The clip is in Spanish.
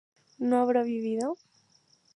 ¿no habrá vivido?